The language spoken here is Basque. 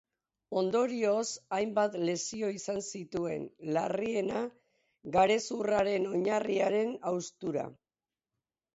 Ondorioz, hainbat lesio izan zituen, larriena, garezurraren oinarriaren haustura.